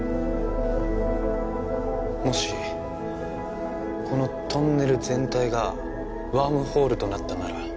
もしこのトンネル全体がワームホールとなったなら？